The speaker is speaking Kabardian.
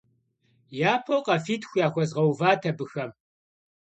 Yapeu khafitxu yaxuezğeuvat abıxem.